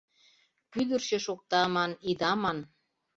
Кӱдырчӧ шокта ман ида ман -